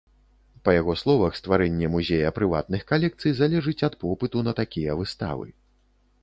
Па яго словах, стварэнне музея прыватных калекцый залежыць ад попыту на такія выставы.